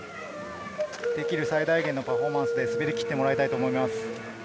できる最大限のパフォーマンスで滑りきってもらいたいと思います。